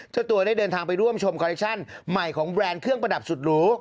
เจ้าตัวได้เดินทางไปร่วมชมคอเลคชั่นใหม่ของแบรนด์เครื่องประดับสุดหรู